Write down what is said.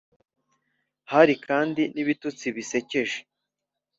hari kandi n’ibitutsi bisekeje.